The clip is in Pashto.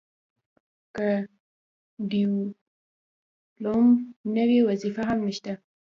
که ډیپلوم نه وي وظیفه هم نشته.